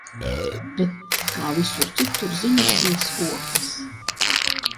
Bet, kā visur citur, ziņas bija skopas.